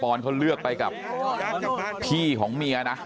อนเขาเลือกไปกับพี่ของเมียนะ